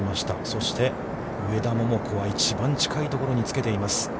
そして、上田桃子は一番近いところにつけています。